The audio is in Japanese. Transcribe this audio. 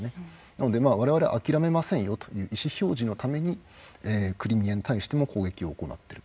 なので、我々諦めませんよという意思表示のためにクリミアに対しても攻撃を行っている。